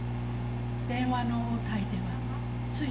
電話の応対ではついつい。